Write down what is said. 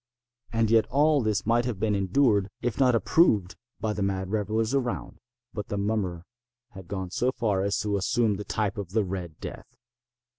And yet all this might have been endured, if not approved, by the mad revellers around. But the mummer had gone so far as to assume the type of the Red Death.